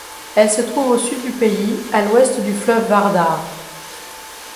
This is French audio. Elle se trouve au sud du pays, à l'ouest du fleuve Vardar.